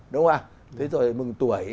đúng không ạ thế rồi mừng tuổi